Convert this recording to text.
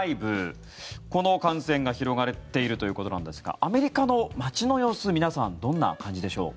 この感染が広がっているということなんですがアメリカの街の様子皆さん、どんな感じでしょう。